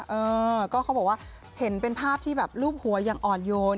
เออก็เขาบอกว่าเห็นเป็นภาพที่แบบรูปหัวอย่างอ่อนโยน